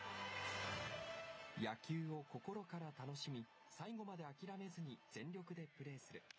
野球を心から楽しみ、最後まで諦めずに全力でプレーする。